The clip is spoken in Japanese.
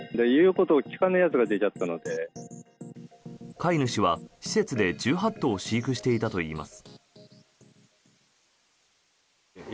飼い主は施設で１８頭を飼育していたといいます。